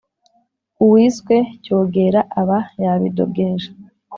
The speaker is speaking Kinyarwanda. Uwiswe cyogera aba yabidogeje